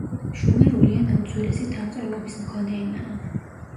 შუმერული ენა უძველესი დამწერლობის მქონე ენაა.